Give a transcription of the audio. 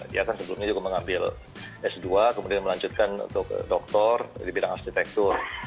dia kan sebelumnya juga mengambil s dua kemudian melanjutkan untuk doktor di bidang arsitektur